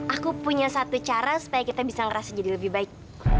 aku punya satu cara supaya kita bisa ngerasa jadi lebih baik